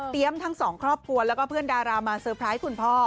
ทั้งสองครอบครัวแล้วก็เพื่อนดารามาเตอร์ไพรส์คุณพ่อ